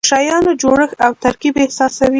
د شیانو جوړښت او ترکیب احساسوي.